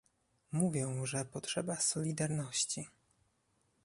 Mówią, że potrzeba solidarności